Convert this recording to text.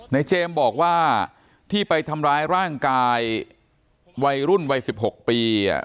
เจมส์บอกว่าที่ไปทำร้ายร่างกายวัยรุ่นวัย๑๖ปี